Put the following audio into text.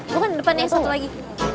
gue kan di depan nih satu lagi